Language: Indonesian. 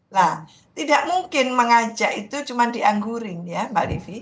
nah tidak mungkin mengajak itu cuma di anggurin ya mbak livi